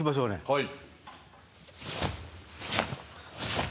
はい。